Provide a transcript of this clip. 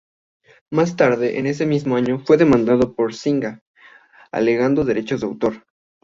Más tarde, ese mismo año, fue demandado por Zynga, alegando derechos de autor.